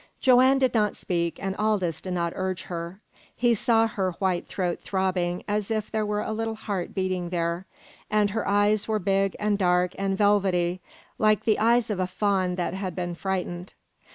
Joanne did not speak, and Aldous did not urge her. He saw her white throat throbbing as if there were a little heart beating there, and her eyes were big and dark and velvety, like the eyes of a fawn that had been frightened.